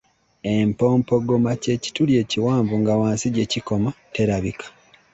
Empompogoma ky’ekituli ekiwanvu nga wansi gye kikoma terabika.